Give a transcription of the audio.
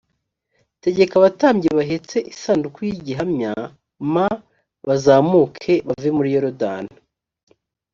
tegeka abatambyi bahetse isanduku y igihamya m bazamuke bave muri yorodani